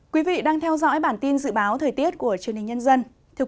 quý vị đang theo dõi bản tin dự báo thời tiết của truyền hình nhân dân